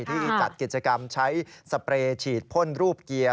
ที่จัดกิจกรรมใช้สเปรย์ฉีดพ่นรูปเกียร์